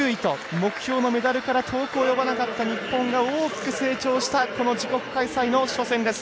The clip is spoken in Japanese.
目標のメダルから遠く及ばなかった日本が大きく成長したこの自国開催の初戦です。